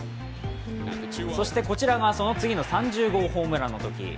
こちらがその次の３０号ホームランのとき。